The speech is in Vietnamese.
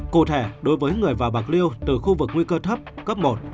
cụ thể đối với người vào bạc liêu từ khu vực nguy cơ thấp cấp một